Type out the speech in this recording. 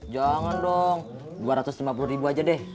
jangan dong dua ratus lima puluh ribu aja deh